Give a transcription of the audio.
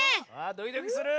ドキドキする！